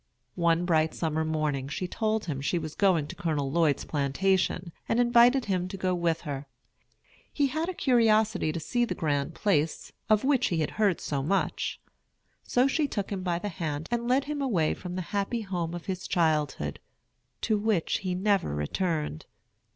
One bright summer morning she told him she was going to Colonel Lloyd's plantation, and invited him to go with her. He had a curiosity to see the grand place of which he had heard so much; so she took him by the hand and led him away from the happy home of his childhood, to which he never returned.